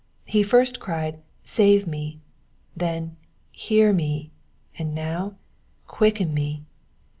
He first cried, Save me ;" then, Hear me ;" and now, Quicken me."